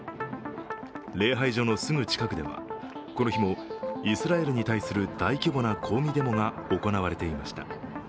礼拝所のすぐ近くでは、この日もイスラエルに対する大規模な抗議デモが行われていました。